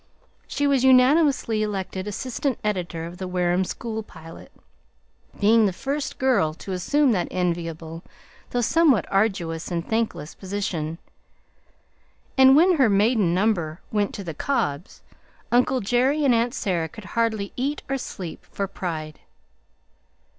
She was unanimously elected assistant editor of the Wareham School Pilot, being the first girl to assume that enviable, though somewhat arduous and thankless position, and when her maiden number went to the Cobbs, uncle Jerry and aunt Sarah could hardly eat or sleep for pride.